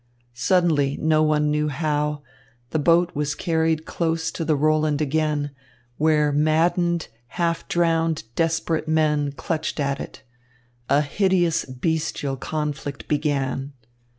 Suddenly, no one knew how, the boat was carried close to the Roland again, where maddened, half drowned, desperate men clutched at it. A hideous, bestial conflict began.